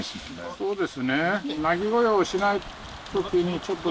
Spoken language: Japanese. そうです。